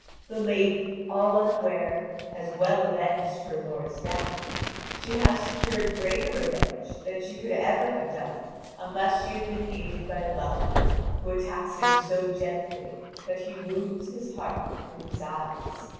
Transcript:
The lady, all unaware, has well avenged her lord's death. She has secured greater revenge than she could ever have done unless she had been aided by Love, who attacks him so gently that he wounds his heart through his eyes.